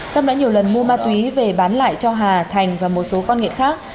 tâm đã nhiều lần mua ma túy về bán lại cho hà thành và một số con nghiện khác